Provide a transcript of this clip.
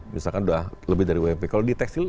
misalkan sudah lebih dari ump kalau di tekstil